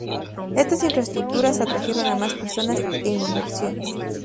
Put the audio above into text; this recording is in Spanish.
Estas infraestructuras atrajeron a más personas e inversiones.